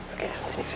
oke sebentar ya